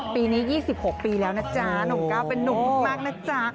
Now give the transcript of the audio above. ปีนี้๒๖ปีแล้วนะจ๊ะหนุ่มก้าวเป็นนุ่มมากนะจ๊ะ